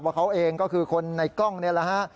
เขาเองก็คือคนในกล้องนี่แหละฮะ